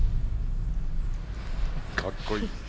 かっこいい。